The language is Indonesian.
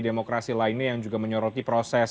demokrasi lainnya yang juga menyoroti proses